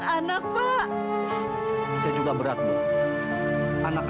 bok berpengaruh headlineminute ini menangani punya daftarin dan pintar neuronional